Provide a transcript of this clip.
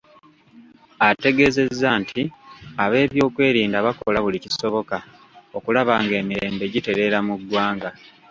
Ategeezeza nti abeebyokwerinda bakola buli kisoboka okulaba ng’emirembe gitereera mu ggwanga.